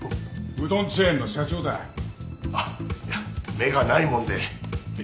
目がないもんで。